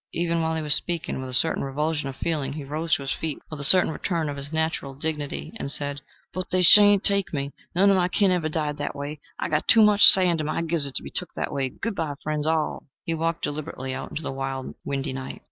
Even while he was speaking, with a quick revulsion of feeling he rose to his feet, with a certain return of his natural dignity, and said, "But they sha'n't take me! None of my kin ever died that way: I've got too much sand in my gizzard to be took that way. Good bye, friends all!" He walked deliberately out into the wild, windy night.